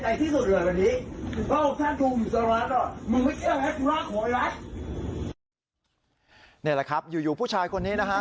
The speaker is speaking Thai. นี่แหละครับอยู่ผู้ชายคนนี้นะฮะ